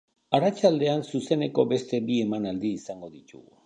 Arratsaldean zuzeneko beste bi emanaldi izango ditugu.